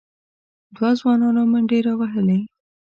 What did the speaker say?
دوو ځوانانو منډې راوهلې،